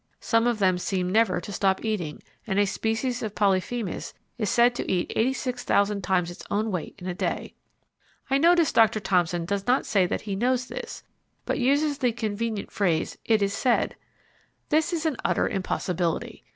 Some of them seem never to stop eating, and a species of Polyphemus is said to eat eighty six thousand times its own weight in a day." I notice Doctor Thomson does not say that he knows this, but uses the convenient phrase, "it is said." This is an utter impossibility.